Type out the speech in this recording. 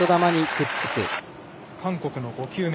韓国の５球目。